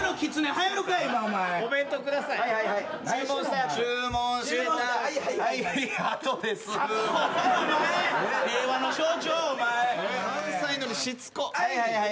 はいはいはいはい。